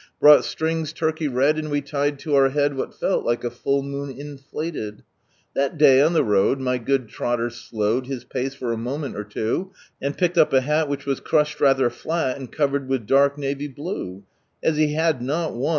Brought strings, turUey red, And we lied to our head What fell like a full moon iatti That day on the road. My gooil troder slowed His pace for a moment oi two And pickeii up n hat Which WHS crushed rather Ilil, And covered with dark navy h Ai he had not one.